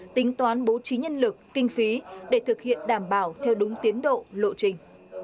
tính toán bố trí nhân lực kinh phí để thực hiện đảm bảo theo đúng tiến độ lộ trình